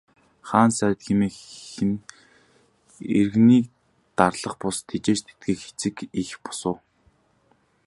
Хаан сайд хэмээх нь иргэнийг дарлах бус, тэжээж тэтгэх эцэг эх бус уу.